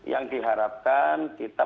yang diharapkan kita